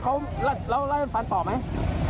ล้มเสร็จแล้วเขาไล่มันฟันเร็วส่งต่อไหม